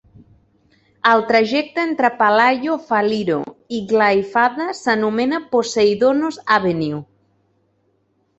El trajecte entre Palaio Faliro i Glyfada s'anomena "Poseidonos Avenue".